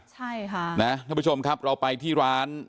ใช่ค่ะนะท่านผู้ชมครับเราไปที่ร้าน